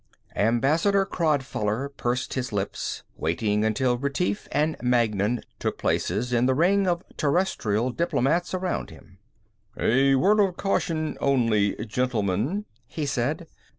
Ambassador Crodfoller pursed his lips, waiting until Retief and Magnan took places in the ring of Terrestrial diplomats around him. "A word of caution only, gentlemen," he said.